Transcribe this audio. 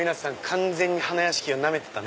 完全に花やしきをナメてたね。